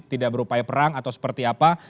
tidak berupaya perang atau seperti apa